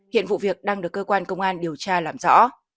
hiện vụ việc đang được cơ quan công an điều tra làm rõ